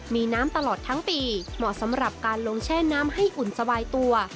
มีน้ำตลอดทั้งปีเหมาะสำหรับการลงแช่น้ำให้อุ่นสบายตัว